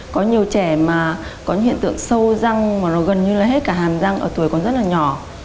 có nhiều trẻ mà có những hiện tượng sâu răng mà nó gần như là hết cả hàm răng ở tuổi còn rất là nhỏ